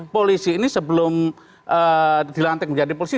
polri ini sebelum dilantik menjadi polri